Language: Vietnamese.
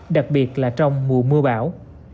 đặc biệt là trong mùa mưa bão